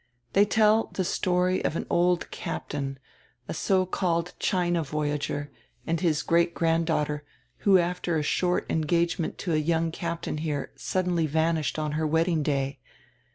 They tell the story of an old captain, a so called China voyager, and his grand daughter, who after a short engagement to a young captain here suddenly vanished on her wedding day.